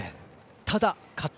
ただ、勝った。